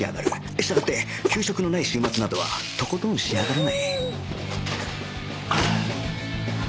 従って給食のない週末などはとことん仕上がらないはあ！